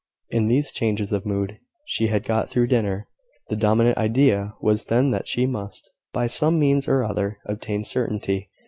In these changes of mood, she had got through dinner; the dominant idea was then that she must, by some means or other, obtain certainty.